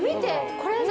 これ何？